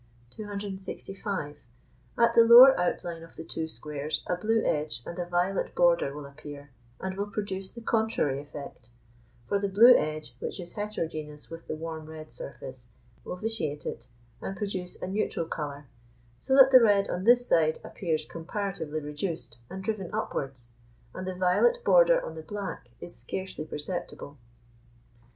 265. At the lower outline of the two squares a blue edge and a violet border will appear, and will produce the contrary effect; for the blue edge, which is heterogeneous with the warm red surface, will vitiate it and produce a neutral colour, so that the red on this side appears comparatively reduced and driven upwards, and the violet border on the black is scarcely perceptible.